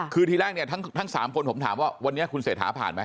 คือทีแรกเนี่ยทั้ง๓คนผมถามว่าวันนี้คุณเศรษฐาผ่านไหม